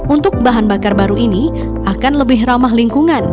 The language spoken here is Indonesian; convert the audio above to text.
untuk bahan bakar baru ini akan lebih ramah lingkungan